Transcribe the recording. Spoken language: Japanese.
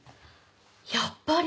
やっぱり！